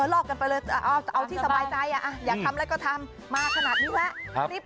เออเออเออเออเออเออเออเออเออเออเออเออเออเออเออเออเออเออ